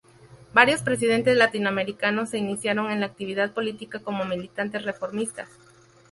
Varios presidentes latinoamericanos se iniciaron en la actividad política como militantes reformistas.